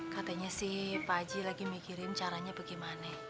katanya sih pak haji lagi mikirin caranya bagaimana